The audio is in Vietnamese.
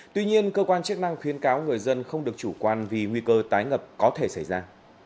tuy nhiên cơ quan chức năng khuyến cáo người dân không được chủ quan vì nguy cơ tái ngập có thể xảy ra